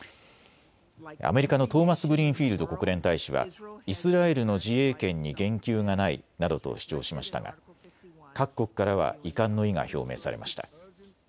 アメリカのトーマスグリーンフィールド国連大使はイスラエルの自衛権に言及がないなどと主張しましたが各国からは遺憾の意が表明されました。